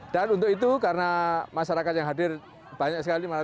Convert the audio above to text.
dan untuk itu karena masyarakat yang hadir banyak sekali lima ratus